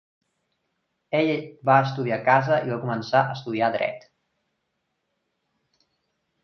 Ell va estudiar a casa i va començar a estudiar dret.